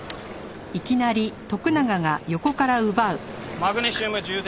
マグネシウム充電器。